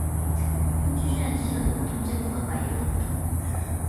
根据渲染技术的不同这个做法也有所不同。